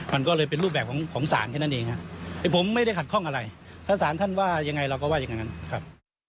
มันก็เลยเป็นรูปแบบของศาลแค่นั้นเองครับผมไม่ได้ขัดข้องอะไรถ้าสารท่านว่ายังไงเราก็ว่าอย่างนั้นครับ